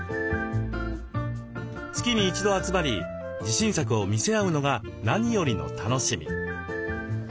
月に一度集まり自信作を見せ合うのが何よりの楽しみ。